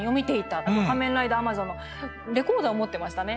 あと「仮面ライダーアマゾン」のレコードは持ってましたね。